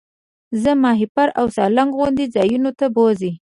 زه ماهیپر او سالنګ غوندې ځایونو ته بوځئ.